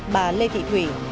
bà lê thị thủy